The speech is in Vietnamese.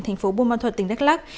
thành phố buôn ma thuật tỉnh đắk lắc